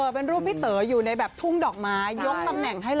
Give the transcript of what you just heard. เป็นรูปพี่เต๋ออยู่ในแบบทุ่งดอกไม้